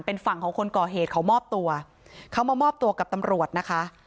เป็นฝั่งของคนก่อเหตุเขามอบตัวเขามามอบตัวกับตำรวจนะคะ